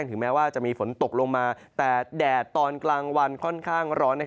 ถึงแม้ว่าจะมีฝนตกลงมาแต่แดดตอนกลางวันค่อนข้างร้อน